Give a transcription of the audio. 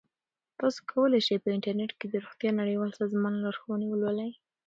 تاسو کولی شئ په انټرنیټ کې د روغتیا نړیوال سازمان لارښوونې ولولئ.